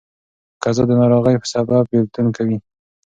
قضا د ناروغۍ په سبب بيلتون کوي.